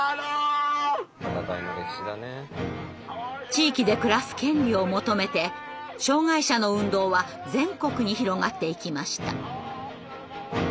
地域で暮らす権利を求めて障害者の運動は全国に広がっていきました。